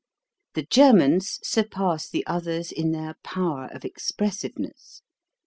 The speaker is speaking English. The Germans surpass the others in their power of expressiveness.